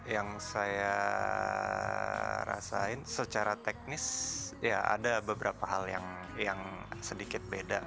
yang saya rasain secara teknis ya ada beberapa hal yang sedikit beda